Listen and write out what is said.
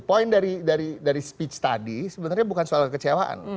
poin dari speech tadi sebenarnya bukan soal kekecewaan